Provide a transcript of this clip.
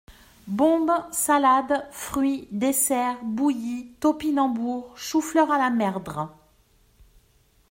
Bombe, salade, fruits, dessert, bouilli, topinambours, choux-fleurs à la merdre.